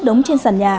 đống trên sàn